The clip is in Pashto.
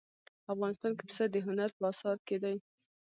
افغانستان کې پسه د هنر په اثار کې دي.